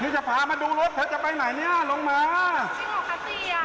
นี่จะพามาดูรถเธอจะไปไหนเนี้ยลงมามั้ยค่ะสิ